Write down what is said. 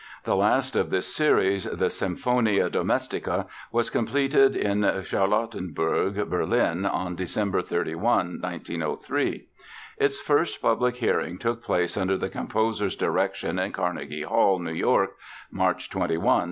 The last of this series, the Symphonia Domestica, was completed in Charlottenburg, Berlin, on December 31, 1903. Its first public hearing took place under the composer's direction in Carnegie Hall, New York, March 21, 1904.